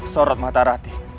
sorot mata ratih